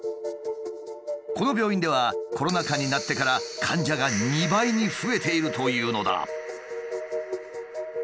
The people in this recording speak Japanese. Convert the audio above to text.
この病院ではコロナ禍になってから患者が２倍に増えているというのだ。